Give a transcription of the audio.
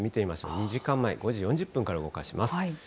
２時間前、５時４０分から動かします。